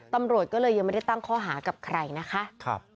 ตำรวจก็เลยยังไม่ได้ตั้งข้อหากับใครนะคะ